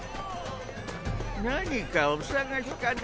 ・何かお捜しかね？